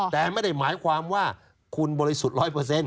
แต่ไม่ได้หมายความว่าคุณบริสุทธิ์ร้อยเปอร์เซ็นต์